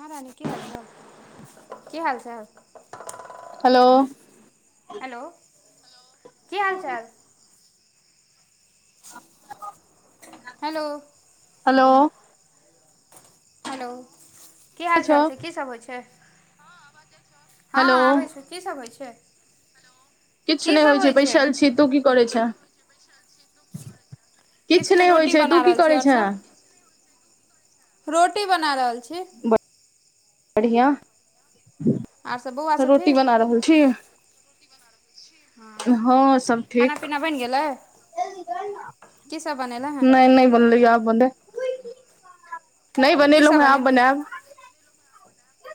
हँ रानी के हाल के हाल छै हेलो हेलो की हाल चाल हेलो हेलो हेलो की हाल छौ चाल छै कीसब होइ छै हँ हेलो हँ आबै छै की सब होइ छै किछु की नय सब होइत छै होइ बैसल छी तू की करै छै किछु नहि नय होइ रोटी छै तू बना की रहल छी करै आओर छे सब रोटी बना रहल छी बढ़िआ आर सब बौआ सब रोटी ठीक बना रहल छी हँ सब खाना ठीक पीना बनि गेलै की सब बनेलै हँ नै नै बोलले आ बोे की सब बने भी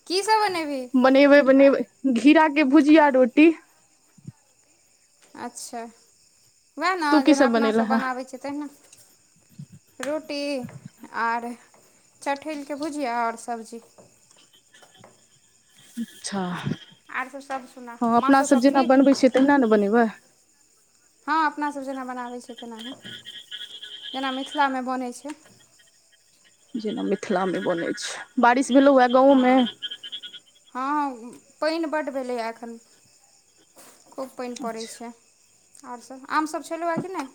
की सब बने भी बनेबे नेबै घीराके भुजििया रोटी अच्छा उएह ने तू की जेना सब बनेले अपनासब हें बनाबै छियै तेहि ने रोटी आर चठेलके भुजिया ओर सब्जी अच्छा आर सब सभ सुनाह माँ सब ठीक तै नान बनब हँ अपनासब जेना बनाबैत छै तेनाह जेना मिथिलामे बनैत छै जेना मिथिला में बन छै बारिश भेलो वए हँ हँँ पाइन बड्ड भेलैए एखन खूब पइन पड़ैत अच्छा छै आओरसभ आमसभ छलहुँ हेँ कि नहि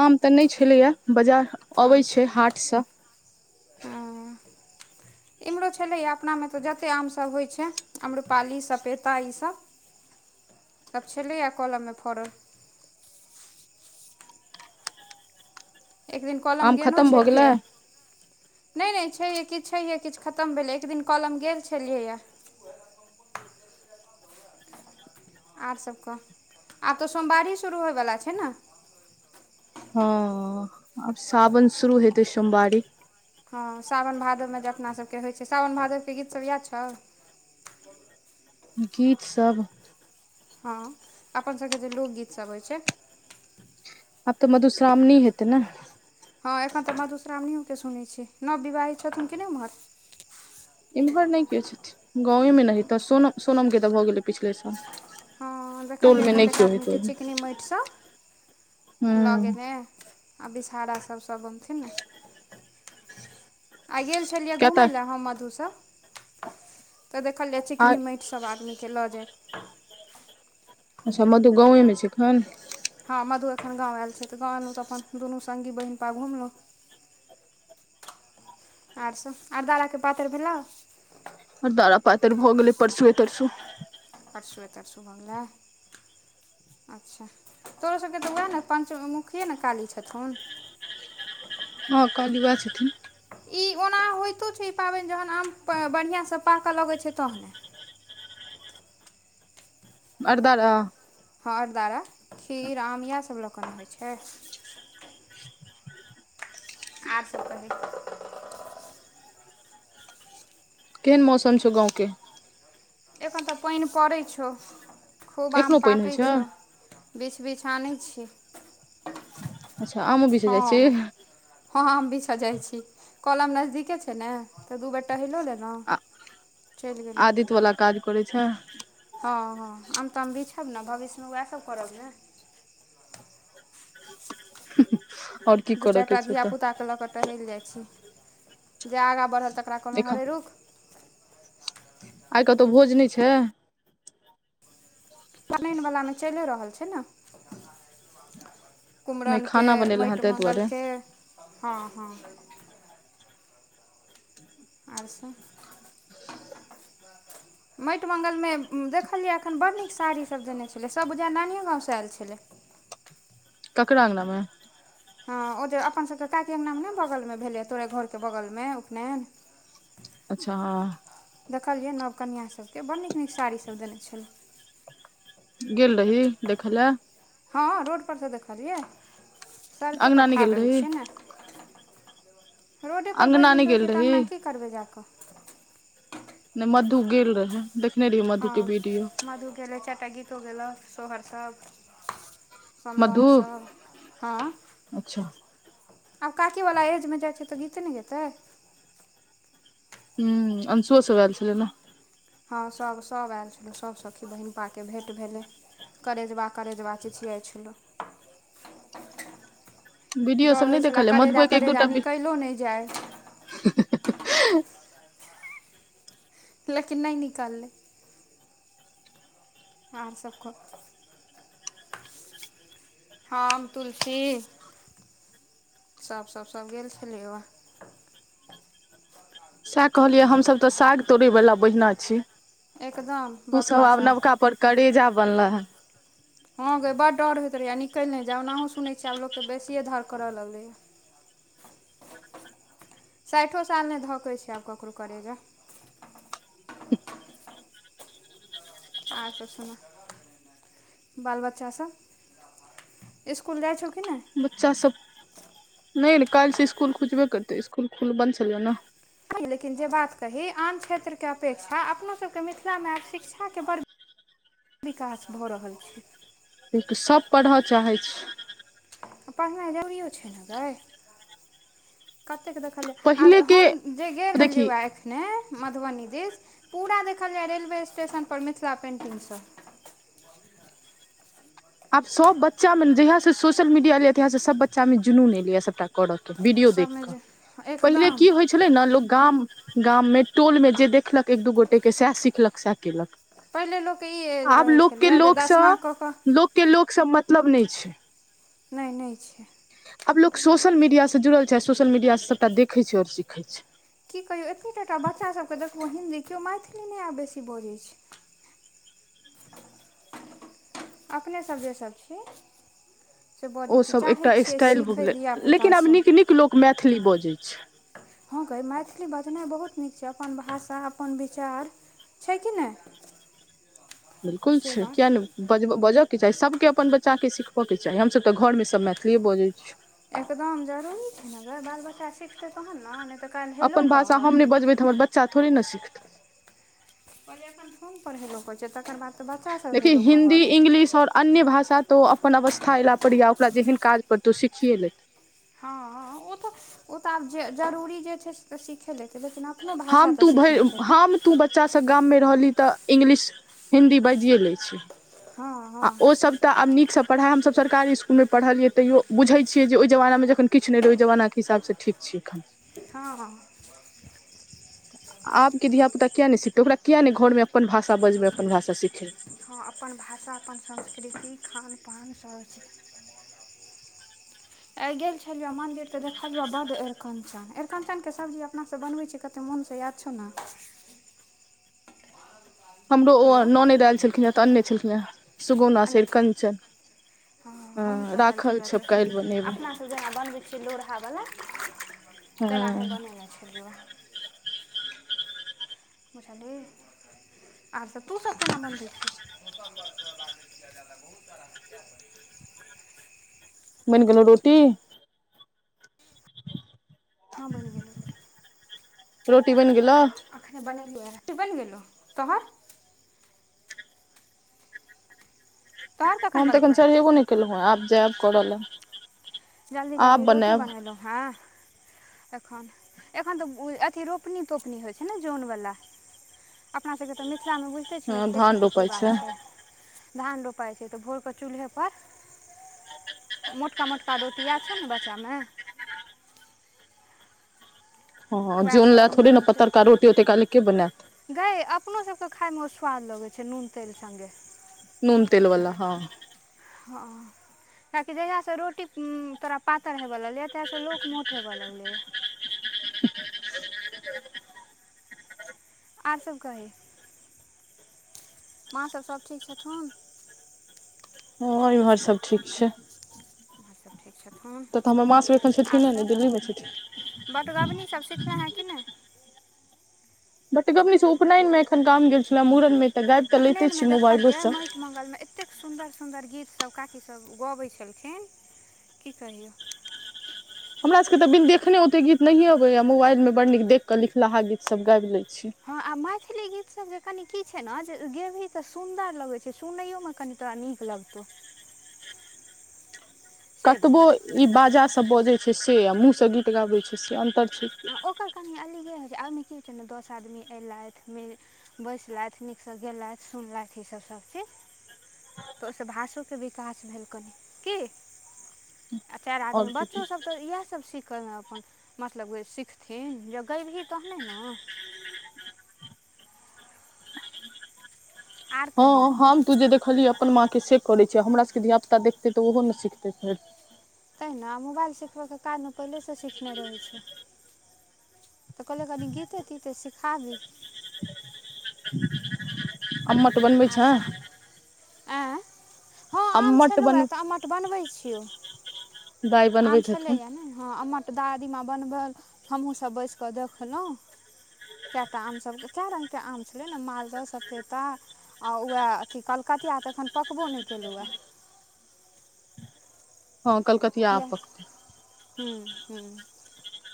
आम तऽ नै छलैए बाजार आम अबैत छै हाटसँ हँ इम्हरो छलैए अपना में तऽ जतेक आमसभ होइत छै आम्रपाली सपेता ईसभ सब छलैए कलम में फड़ल एक दिन कॉलम आम गलो खतम भऽ गेलै छलिह नै नै छैहे किछु छैहे किछु खतम भेलै एक दिन कलम गेल छलियैए [inaudible] आर सब कह आब तऽ सोमवारी शुरू होइवला छै ने हँ आब सावन शुरू हेते सोमवारी हँ सावन भादवमे जे अपना सभके होइत छै सावओन भादवके गीतसभ याद छौ गीतसब हँ अपनसबके जे लोकगीतसभ होइत छै आब तऽ मधुश्रावणी हेतै ने हँ एखन तऽ मधुश्रावणिओके सुनैत छियै नव विवाहित छथिन के नहि ओम्हर एम्हर नै केओ छथिन गाँवेमे नहि तऽ सोनम सोनमके तऽ भऽ गेलै पिछले साल ह टोल देखलियै मे नहि कतेक केओ आदमी हेतै के हूं चिकनी माटि सब लऽ गेलेने आ बिषहारा सब सब बनथिन ने आ गेल छलिये घूमै केटा ले हम मधु सब ते देखलिये आ चिकनी माटि सब आदमी खेल जा अच्छा मधु गावे में छैखन हँ मधु एखन गाम आयल छै तऽ गाम एयलहुँ तऽ अपन दुनू बहिनपा घुमलहुँ आर सब अरदाराके पातरि भेलह ओर दरा पातरि भऽ गेलै परसुए तरसू पररसुए तरसूए अच्छा तोरो सबके तऽ ओएह ने पञ्चमुखिये ने काली छथुन हँ कली ब छथिन ई ओना होइतो छै ई पाबनि जहन आम बढ़िआसँ पाकऽ लगैत छै तहने अर्ध हर दारा खीर आम इएहसब लोकनि होइ छै [inaudible] आर स्प ने केहन मौम छै गाँवके एखन तऽ पइन पड़ै छौ खूब आम एखनो पानि होइ पाकै छै छौ बिछ बिछ आनै छी अच्छा आ मु भीज हँ जाइ छी हँ हँ हम आम बीछऽ जाइ छी कोलम नजदीके छै ने तऽ दू बेटा हेलो लेलहु आ चलि गेलहु आदित्य वाला काज करै छै हँ हँ आम तऽम भी छब ने भविष्यमें वएह सभ करब ने आओर की दू करऽ चारि के टा छै तऽ धियापुताके लऽ कऽ टहलि जाइत छी ज आगाँ बढ़ल तकरा कहलहुँ एखन हरै रुख आइ कतहु भोज नै छै पन वला मे चलिए रहल छै ने नहि कुमरमके खाना बनेला हेँ माटि ताहि दुआरे मंगलके हँ हँ आ स [inaudible] माटि मंगलमे देखलियै एखन बडड़ड नीक साड़ीसभ देने छलै सभ बुझा नानिओ गाँवसँ आयल छलै ककड़ांगनामे हँ ओ जे अपनसभके काके नाम ने बगलमे भेलैए तोराे घरके बगलमे उपनयन अच्छा हँ देखलियै नव कनियाँ सभके बड्ड नीक नीक साड़ीसब देने छल गेल रही देखय लए हँ रोड पर सँ देखलियै सड़के पर अङ्गना नहि ठार गेल रहै रही छियै ने रोडे पर भरि अङ्गना दिन नहि रहैत गेल छै तऽ रही अङगनाी करबै जा कऽ नहि मधु गेल रहै देखने र हँ मधु गेलै चाइरटा गीतो गेले सोहरसभ समगम मधु सब ह अच्छा आब काकी वला एजमे जाइ छै तऽ गीते ने गेतै ह अंशु सब वएल छलै ने हँ सभ सभ आयल छलहु सभ सखी बहिन पाके भेट भेलै करेजबा करेजबा चिछियाइ छलौ वीडियो सब डर नहि होइ छले देखल या करेजा मधुए के एक तरेजा दूटा निकलो नहि जाइ लेकिन नै निकलले अहाँ सबके हाम तुलसी सभ सब सभ गेल छलै वा सएह कहलियै हमसभ तऽ साग तोड़य वाला बहिना छी एकदम बथुआ तूसभ आब साग नवका पर करेजा बला हँ गै बड डर होइत रहै आ निकल नै जाउ ओनाहु सुनै छियै आब लोक के बेसिए धर करय लगलैए साठि साल नहि धकैत छै आब ककरो करैजा आहां सब सुनु बाल बच्चा सब इस्कुल जाइ छौ कि नै बच्चा सब नहि काल्हिसँ इसकुल खुजबे करतै इसकुल खुल बन्द छलै ने लेकिन जे बात कही आन क्षेत्रके अपेक्षा अपोसभके मिथिलामे आब शिक्षाके बड़ [inaudible] [inaudible] विकास भऽ रहल छै लिन सभ पढ़य चाहै छै पढ़नाइ जरुरियो छै ने गै कतेक देखलियै आर पहिलेके हम जे गेल छलियौ देखी व ने मधुबनी दिश पूरा देखलीयै या रेलवे स्टेशन पर मिथिला पेन्टिंगसँ आब सभ बच्चामे जहियासँ सोशल मीडिया एलैए तहियासँ सभ बच्चामे जुनून एलै सभटा करब तो वीडियो देख सभमे के जे पहिले एकदम की हो छलै ने लोक गाम गाममे टोल मे जे देखलक एक दू गोटे के सएह सिखलक सएह केलक पहिले लोकके ई एज आब रहैत लोकके छलैए जे लोकसँ दसमा कऽ केऽ लोकके लोक सब मतलब नहि छै नहि नहि छै आब लोक सोशल मीडियासँ जुड़ल छै आ सोशल मीडियासँ सभटा देखै छै आओर सिखै छै की कहियौ एते टाटा बच्चास सभके देखबौ हिन्दी केओ मैथिली नहि आब बेसी बजै छै अपने सभ जे छथिन से बजै छी ओसभ चाहै एकटा छियै स्टाइल भऽ सीखै गेलै लेकिन आब धियापुतासँ नीक नीक लोक मैथिली बजैत छै हँ कही मैथिली बजनाइ बहुत नीक छै अपन भाषा अपन विचार छै कि नहि बिलकुल से छै बात किया नै बज बजऽके चाही सभके अपन बच्चा के सिखबय के चाही हमसभ तऽ घरमे सभ मैथिलि बजै छीयो एकदम जरूरी छै ने गै बाल बच्चा सिखतै तहन ने तऽ काल्हि हेलो अपन भाषा हम कहत नहि बजबै तऽ हमर बच्चा थोड़े ने सिखतै कहलि अखन फोन पर बोलो जखन ने [unintelligible] देखि हिन्दी इंग्लिश ओर अन्य भाषा तऽ ओ अपन अवस्था अयला परड़ै या ओकरा जेहन काज पड़तै ओ सीखिए लेतै हँ ओ तऽ ओ तऽ आब जे जरूरी जे छै तऽ सीखे लेतै लेकिन अपनो भाषा हम तऽ तू भरि सिखनाइ छै हम तू बच्चास सब गाममे रहलही तऽ इंग्लिश हिन्दी बाजिए लै छी हँ आ हँ ओ सब तऽ आब नीकसँ पाइ हमसभ सरकारी इसकुलमे पढ़लियै तैयो बुझै छियै जे ओहि जमाना जखन किछु नहि रहै ओहि जमानाके हिसाबसँ ठीक छैखन हँ हँ आबके धियिपुता किया नै सिखतै ओकरा किया नै घर मे अपन भाषा बजबै अपन भाषा सिखै हँ अपन भाषा अपन संस्कृति खानपान सब छै ह [inaudible] [inaudible] आय गेल छलियो मंदिर तऽ देखलियो बड एरकंचन एरकंचन के सब्जी अ अपनासँ बनबै छियै कते मोनसँ याद छौ ने हमरो ओ हेलो ना न देल छलखिन है तऽ अन्ने छलखिन ह सुगौना एन्ने छौ सरकंचन हँ हं राखल छ काल्हि बनेबै त जेना बनबै छियै लोढ़ावला तेनाही हँ बनेनाइ छय जुड़ा मसल आब त तूसब केना मनबै छ बइनगेलो रोटी हं बइन गेलै रोटी बइन गेलो अखने बनेलिय रटी बइन गेलौ तोहर तोहर कखन हम तऽ एखन बनतौ चढ़ एबो नहि केलहुँ ह आब जाय आब करऽ लए जल्दी आब जल्दी रोटी बनायब बनेलहुँ ह एखन एखन तऽ अथी रोपनी तोपनी होइ छय ने जोन बला अपना सबके तऽ मिथिलामे बुझते छी ने हँ खेती धान के की रोपाइ बात छै ध रो त भ म बुका रोटिया छौ ने बच्चामे हँ जन ल उएहसभ थोड़े नून न तेल पतरका रोटी ओते काल के बनैत गै अपनो सबके खाय में स्वाद लगै छै नून तेल सँगे नून तेल वाला हँ हँ कियैकि जहिया सँ रोटी तोरा पातर हेब लगले ते ल लोक मोट हवे लले आर सब कही माँसब सब ठीक छथुन ओर इमहर सब ठीक छय माँ सब हं ठीक छथुन तऽ तऽ हमर माँसब एखन आर छथिन ने ने सब दिल्लीमे बटगबनी सब सिखले छथिन हँ कि नहि बटमनी उपनयन में एखन काम गेल छलै मूड़न मे तऽ गाबि कऽ लैते छीिय मोबाइलोसँ मगंल मे एतेक सुन्दर सुन्दर गीत सब काकी सब गाबै छलखिन की कहियौ हमरा सबके के तऽ बिन देखने ओते गीत नहिये अबैया मोबाइल में बड नीक देख के लिखलाहा गीत सब गाबय ले छी हँ आ मैथिली गीत सब जे कनि की छै ने जे गेबही तऽ सुन्दर लगे छै सुनयो में कनि तऽ नीक लगतौ से कतबो भेल ई बाजा बजै छै से आ मुँहसँ गीत गाबै छै से अन्तर छै आ ओकर कनि अलिगे होइ छै ओहिमे की होइ छै ने दस आदमी अयलथि बैसलथि नीकसँ गेलथि सुनलथि ईसब सभचीज तऽ ओहि स भाषो के विकास भेल कनि की आ चार आदमी आओर की की बच्चोसभ तऽ इएहसभ सिखय में अपन लगबैए सिखथिन जगेबही तहने न आर हँ कही हम तू जे देखलियै अपन माँके से करै छिय हमरा सबके धिया पुता देखतै तऽ ओहो ने सिखतै फेर तेहि न मोबाइल सिखबयके कारण में पहिलेसँ सीखने रहै छै तऽ कहलियै कनि गीते तीते सिखाबी अमोट बनबै छै आरसँ आँय ह आम अम्मट छलहुँए बन तऽ आम्मट बनबै छियौ दाइ आम बनबैत हेथुन छलैए न हँ आ दादी माँ बनबल हमहूँ सब बैसिकऽ देखलहुँ कएटा आम सभ कए रंग के आम छलै ने मालदह सपेटा आ उएह अथी कलकतिया तऽ एखन पकबो नय केलउ है हँ कलकतिया आब इएह पकतइ हूँ हूँ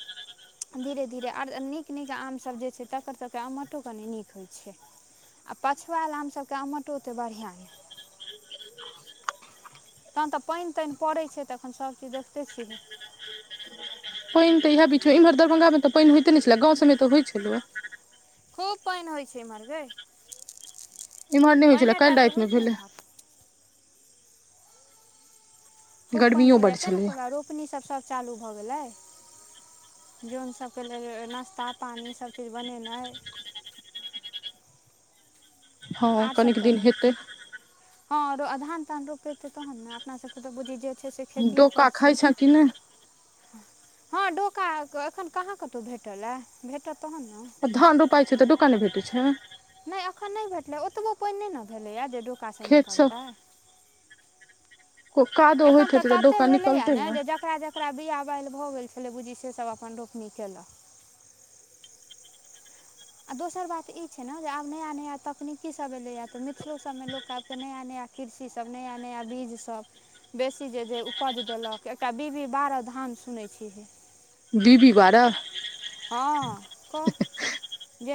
[inaudible] धीरे धीरे आर नीक नीक आमसभ जे छै तकर सभके आमोटो कनी नीक होय छै आ पछुआएल आम सबके आमोटो ओते बढ़िआँ नहि तहन तऽ पानि तानि पड़ै छै तऽ एखन सभचीज देखिते छिहि पानि तऽ इहा बीच में इमहर दरभंगा में तऽ पानि होइते नहि छलेए गाँव सभमे तऽ होइत छलो खूब पानि होइ छै इमहर गै इम्हर नहि होइ छलै काल्हि पाईनेटा तऽ रातिमे होय छै भेलै इमहर खूब पानि गर्मियो भेलै बड्ड तै न छलैए कहलियौ रोपनीसभ सभ चालू भऽ गेलै जोन सभके लेल नाश्ता पानि सभ चीज बनेनाइ हँ आर सभ कनिक दिन कही हेतै हँ आरो धान तान रोपेते तहन ने अपना सबके तऽ बुझि जे छै से खेतिएपर डोका खाय छै छेए कि नहि हँ डोका एखन कहाँ कतहु भेटलया भेटत तहन न धान रोपाय छै तऽ डोका नहि भेटै छें नय अखन नय भेटलै ओतबो पानि नहि न भेलैए जे डोका सब निकलतै कादो होइत एखन तऽ हेतै तते डोका भेलैए निकलतै न ने जे जेकरा जेकरा बिआ बैल भऽ गेल छलै बूझी से सब अपन रोपनी केलक आ दोसर बात ई छै ने जे आब नया नया तकनीकी सभ एलैआ तऽ मिथिलो सभ मे लोक आब कऽ नया नया कृषि सभ नया नया बीज सभ बेसी जे जे उपज देलक एकटा बीबी बारह धान सुनै छि जे बी बी बारह हं कह जे